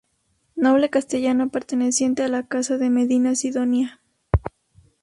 Noble castellano perteneciente a la Casa de Medina Sidonia.